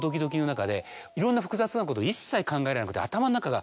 いろんな複雑なこと一切考えられなくて。